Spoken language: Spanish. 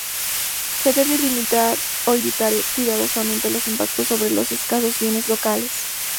Se debe limitar o evitar cuidadosamente los impactos sobre los escasos bienes locales.